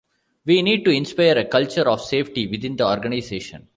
We need to inspire a culture of safety within the organisation.